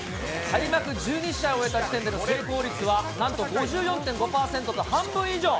開幕１２試合終えた時点での成功率は、なんと５４．５％と半分以上。